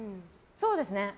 そうですね。